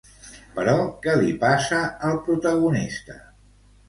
Però què li passa al protagonista?